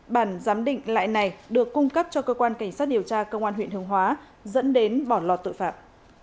bản giám định lại này được cung cấp cho cơ quan cảnh sát điều tra công an huyện hương hóa dẫn đến bỏ lọt tội phạm